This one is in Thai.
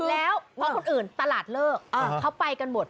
แล้วเพราะคนอื่นตลาดเลิกเขาไปกันหมด